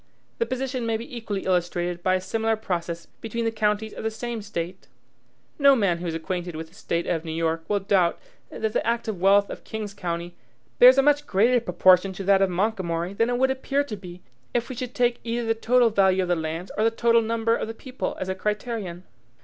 The position may be equally illustrated by a similar process between the counties of the same State. No man who is acquainted with the State of New York will doubt that the active wealth of King's County bears a much greater proportion to that of Montgomery than it would appear to be if we should take either the total value of the lands or the total number of the people as a criterion!